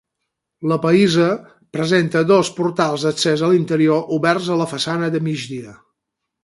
La pallissa presenta dos portals d'accés a l'interior oberts a la façana de migdia.